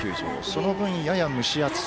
その分、やや蒸し暑さ。